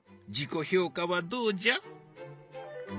自己評価はどうじゃ？